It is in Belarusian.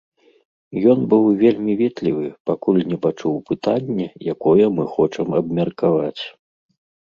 Ён быў вельмі ветлівы, пакуль не пачуў пытанне, якое мы хочам абмеркаваць.